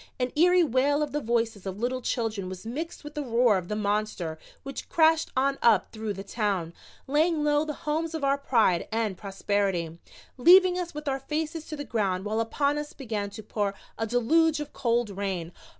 An eerie wail of the voices of little children was mixed with the roar of the monster which crashed on up through the Town, laying low the homes of our pride and prosperity, leaving us with our faces to the ground while upon us began to pour a deluge of cold rain.